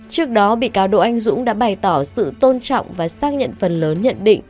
trước đó bị cáo đỗ anh dũng đã bày tỏ sự tôn trọng và xác nhận phần lớn nhận định